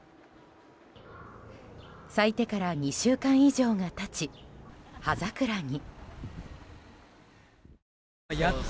咲いてから２週間以上が経ち葉桜に。